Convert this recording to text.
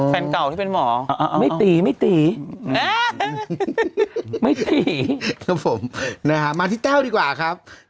แฟนเก่าที่เป็นหมอไม่ตีไม่ตีไม่ตีครับผมนะฮะมาที่แต้วดีกว่าครับ